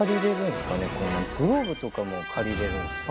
グローブとかも借りれるんですよ。